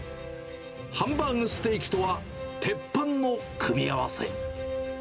ハンバーグステーキとは、てっぱんの組み合わせ。